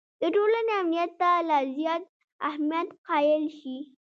د ټولنې امنیت ته لا زیات اهمیت قایل شي.